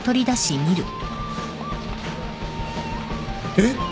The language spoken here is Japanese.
えっ！？